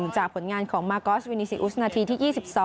จากผลงานของมากอสวินีซีอุสนาทีที่๒๒